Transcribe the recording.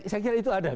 saya kira itu ada